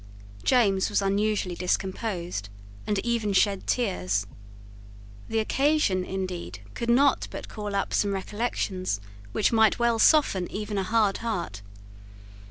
James was unusually discomposed, and even shed tears. The occasion, indeed, could not but call up some recollections which might well soften even a hard heart.